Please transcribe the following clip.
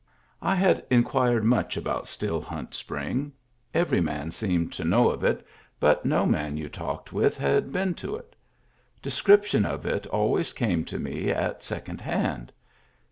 I had inquired much about Still Hunt Spring. Every man seemed to know of it, but no man you talked with had been to it. Description of it always came to me at second hand.